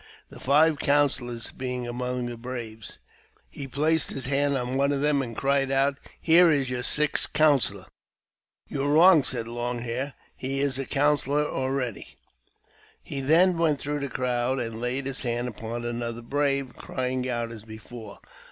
The five counsellors being among the braves, he^ placed his hand on one of them, and cried out, *' Here is your ; sixth counsellor." | "You are wrong," said Long Hair; "he is counsellor already." He then went through the crowd, and laid his hand upon another brave, crying out as before.